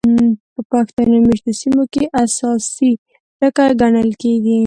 په پښتون مېشتو سیمو کې اساسي ټکي ګڼل کېږي.